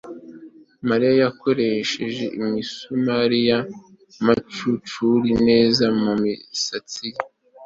Mariya yakoresheje imisumari ya manicure neza mumisatsi ye